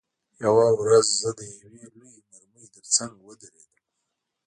یوه ورځ زه د یوې لویې مرمۍ ترڅنګ ودرېدم